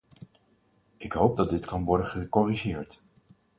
Ik hoop dat dit kan worden gecorrigeerd.